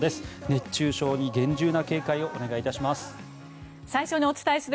熱中症に厳重な警戒をお願いいたします。